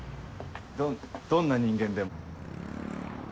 どんどんな人間でも。